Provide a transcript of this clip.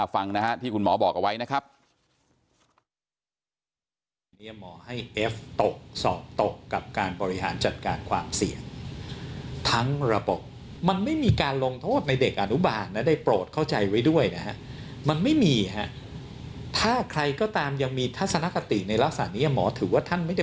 ฟังนะฮะที่คุณหมอบอกเอาไว้นะครับ